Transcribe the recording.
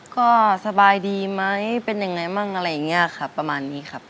ก็สบายดีไหมเป็นยังไงมั่งอะไรอย่างนี้ครับประมาณนี้ครับ